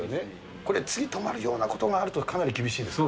これ、次止まるようなことがあると、かなり厳しいですか？